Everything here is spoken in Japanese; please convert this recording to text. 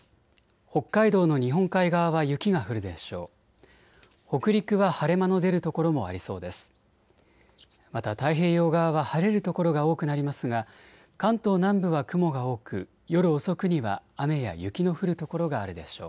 北海道の日本海側は雪が降るでしょう。